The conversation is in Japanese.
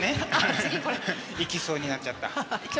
ハハッいきそうになっちゃった？